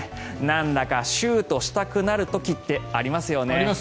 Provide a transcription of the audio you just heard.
なんだかシュートしたくなる時ってありますよね。